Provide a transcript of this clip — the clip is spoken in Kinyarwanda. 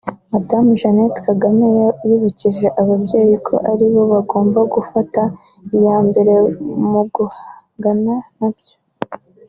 Madamu Jeannette Kagame yibukije ababyeyi ko ari bo bagomba gufata iya mbere mu guhangana nabyo